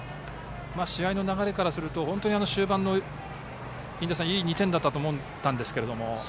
試合の流れからすると、終盤のいい２点だと思ったんですけど。